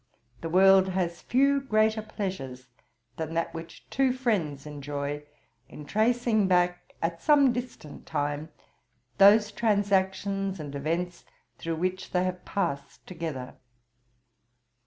The world has few greater pleasures than that which two friends enjoy, in tracing back, at some distant time, those transactions and events through which they have passed together.